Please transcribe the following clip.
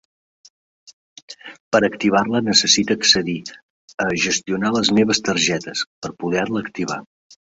Per activar-la necessita accedir a 'Gestionar les meves targetes'per poder-la activar.